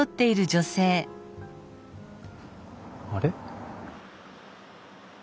あれ？